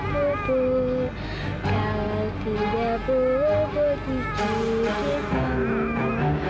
kak fah bubu oh kak fah bubu